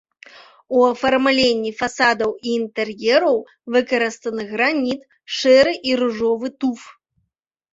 У афармленні фасадаў і інтэр'ераў выкарыстаны граніт, шэры і ружовы туф.